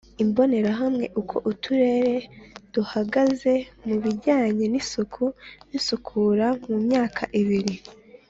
Imbonerahamwe Uko Uturere duhagaze mu bijyanye n isuku n isukura mu myaka ibiri